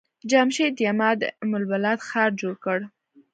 جمشيد يما د ام البلاد ښار جوړ کړ.